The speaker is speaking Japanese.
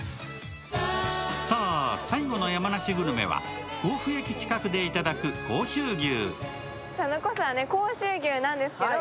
さあ、最後の山梨グルメは甲府駅近くでいただく甲州牛。